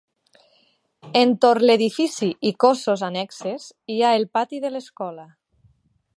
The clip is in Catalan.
Entorn l’edifici i cossos annexes, hi ha el pati de l’escola.